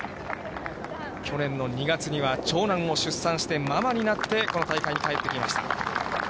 去年の２月には長男を出産して、ママになって、この大会に帰ってきました。